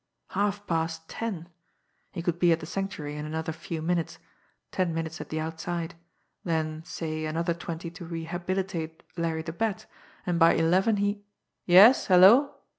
Halfpast ten! He could be at the Sanctuary in another few minutes, ten minutes at the outside; then, say, another twenty to rehabilitate Larry the Bat, and by eleven he "Yes hello!"